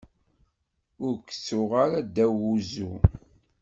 Ur k-tuɣ ara ddaw uzzu.